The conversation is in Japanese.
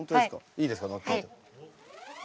いいですか乗っても。